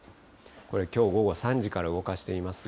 これ、きょう午後３時から動かしていますが。